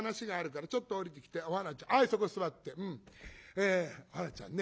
えお花ちゃんね